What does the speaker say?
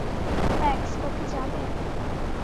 Max ও কি জানে?